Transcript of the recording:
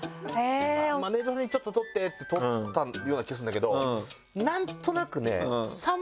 マネジャーさんに「ちょっと撮って」って撮ったような気がするんだけど。